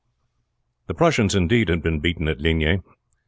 The Prussians indeed had been beaten at Ligny.